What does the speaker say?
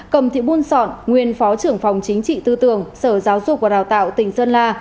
cầm thị buôn sọn nguyên phó trưởng phòng chính trị tư tưởng sở giáo dục và đào tạo tỉnh sơn la